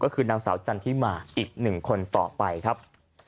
ก็คือนางสาวจันทร์ที่มาอีกหนึ่งคนต่อไปครับ